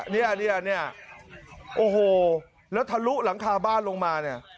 เนี่ยเนี่ยเนี่ยโอ้โหแล้วทะลุหลังคาบ้านลงมาเนี่ย